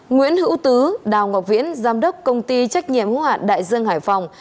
nguyễn hữu tứ đào ngọc viễn giám đốc công ty trách nhiệm hữu hạn đại dương hải phòng